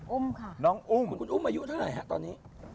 อุ้มค่ะน้องอุ้มคุณอุ้มอายุเท่าไหร่ฮะตอนนี้